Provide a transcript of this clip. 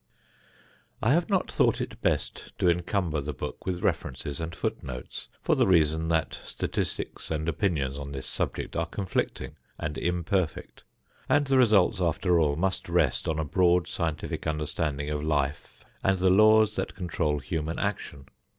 I have not thought it best to encumber the book with references and foot notes, for the reason that statistics and opinions on this subject are conflicting and imperfect, and the results after all must rest on a broad scientific understanding of life and the laws that control human action.